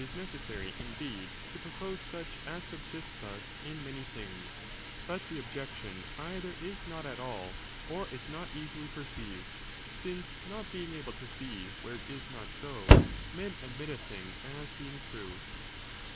18 necessary indeed to propose such as sub roposed which 8ist thus in many things, but the objection either Fo to ig not at all, or is not easily perceived, since not being able to see where it is not so, men admit a thing as being true.